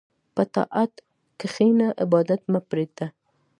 په طاعت کښېنه، عبادت مه پرېږده.